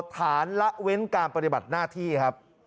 ฐานละเว้นการปฏิบัติหน้าที่ครับ